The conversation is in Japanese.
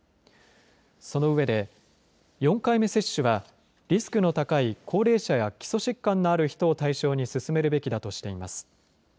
そのうえで４回目接種はリスクの高い高齢者や基礎疾患のある人を対象に進めるべきだとしています。